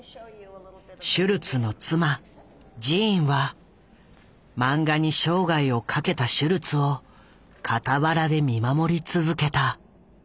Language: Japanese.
シュルツの妻ジーンは漫画に生涯をかけたシュルツを傍らで見守り続けた。